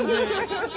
ハハハハ！